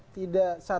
tidak satu kata